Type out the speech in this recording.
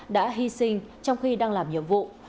đã hy sinh trong khi đang làm nhiệm vụ